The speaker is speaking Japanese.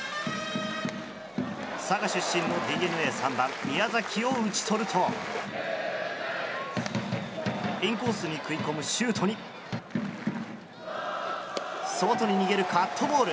佐賀出身のＤｅＮＡ３番宮崎を打ち取るとインコースに食い込む周東にカットボール。